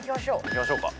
いきましょうか。